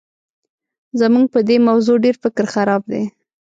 زموږ په دې موضوع ډېر فکر خراب دی.